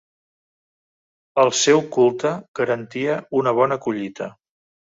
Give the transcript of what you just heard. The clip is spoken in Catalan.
El seu culte garantia una bona collita.